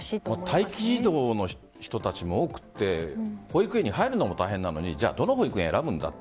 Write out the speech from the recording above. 待機児童の人たちも多くて保育園に入るのも大変なのにどの保育園を選ぶんだって